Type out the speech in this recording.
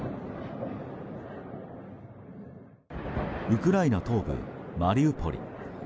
ウクライナ東部マリウポリ。